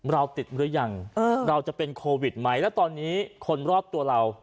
เราติดหรือยังเราจะเป็นโควิดไหมแล้วตอนนี้คนรอบตัวเรา